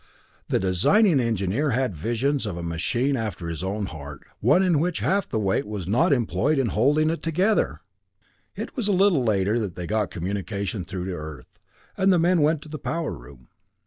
The designing engineer had visions of a machine after his own heart one in which half the weight was not employed in holding it together! It was a little later that they got communication through to Earth, and the men went to the power room.